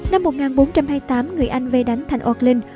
năm một nghìn bốn trăm hai mươi tám người anh vây đánh thành orklyn